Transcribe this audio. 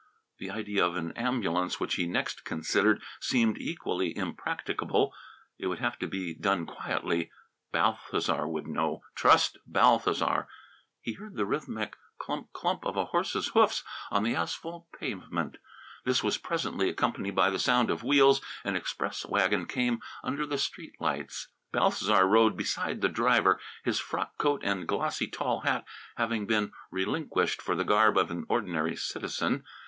The idea of an ambulance, which he next considered, seemed equally impracticable. It would have to be done quietly; Balthasar would know. Trust Balthasar! He heard the rhythmic clump clump of a horse's hoofs on the asphalt pavement. This was presently accompanied by the sounds of wheels. An express wagon came under the street lights. Balthasar rode beside the driver, his frock coat and glossy tall hat having been relinquished for the garb of an ordinary citizen.